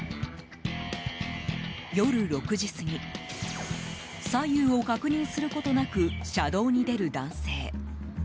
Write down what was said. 夜６時すぎ左右を確認することなく車道に出る男性。